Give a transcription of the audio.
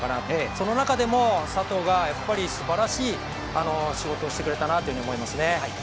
その中でも佐藤がすばらしい仕事をしてくれたなと思いますね。